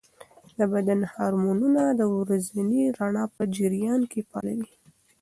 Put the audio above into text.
د بدن هارمونونه د ورځني رڼا په جریان کې فعاله وي.